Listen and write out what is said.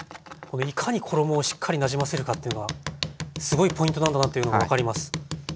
いかに衣をしっかりなじませるかっていうのがすごいポイントなんだなっていうのが分かります。